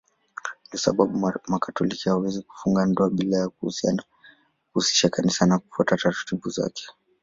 Ndiyo sababu Mkatoliki hawezi kufunga ndoa bila ya kuhusisha Kanisa na kufuata taratibu zake.